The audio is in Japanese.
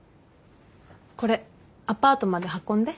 これアパートまで運んで。